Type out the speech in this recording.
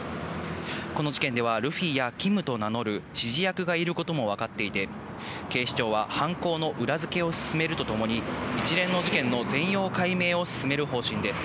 この事件では、ルフィやキムと名乗る指示役がいることも分かっていて、警視庁は犯行の裏付けを進めるとともに、一連の事件の全容解明を進める方針です。